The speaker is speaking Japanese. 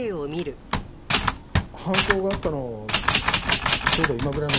犯行があったのはちょうど今ぐらいの時間だよな？